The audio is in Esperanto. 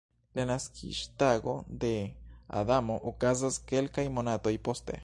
La naskiĝtago de Adamo okazas kelkaj monatoj poste.